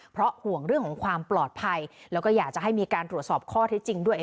เพราะห่วงเรื่องของความปลอดภัยแล้วก็อยากจะให้มีการตรวจสอบข้อที่จริงด้วย